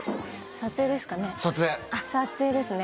撮影ですね。